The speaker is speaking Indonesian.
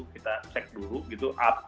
kita cek dulu gitu